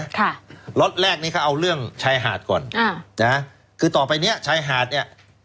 ค่ะล็อตแรกนี้เขาเอาเรื่องชายหาดก่อนอ่านะฮะคือต่อไปเนี้ยชายหาดเนี้ย